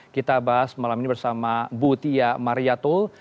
kita bahas malam ini bersama bu tia mariatul